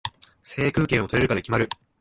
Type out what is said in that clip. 制空権を取れるかで決まる